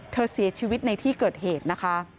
เสียชีวิตในที่เกิดเหตุนะคะ